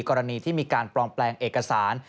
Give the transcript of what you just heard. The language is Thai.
กรณีที่มีการปลอมแปลงเอกสาร